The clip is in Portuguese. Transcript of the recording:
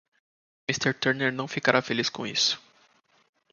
Mister Turner não ficará feliz com isso.